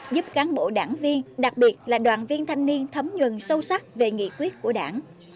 giúp cán bộ đảng viên đặc biệt là đoàn viên thanh niên thấm nhuận sâu sắc về nghị quyết của đảng